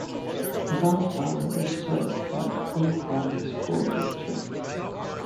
Guntown is served by the Lee County School District.